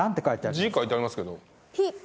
字書いてありますけど。